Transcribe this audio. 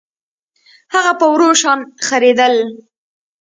هغه په ورو شان خرېدل